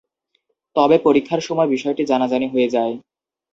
তবে পরীক্ষার সময় বিষয়টি জানাজানি হয়ে যায়।